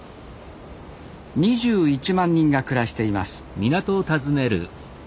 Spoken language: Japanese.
２１万人が暮らしています